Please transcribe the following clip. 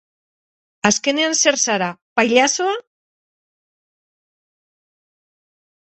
Azkenean zer zara, pailazoa?